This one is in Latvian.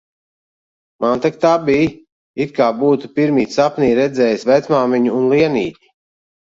Man tak tā bij, it kā būtu pirmīt sapnī redzējis vecmāmiņu un Lienīti